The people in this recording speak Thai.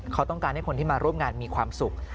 เขาต้องการให้คนที่มาร่วมงานมีความสุข